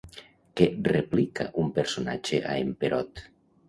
Què replica un personatge a en Perot?